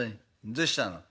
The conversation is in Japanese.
どしたの？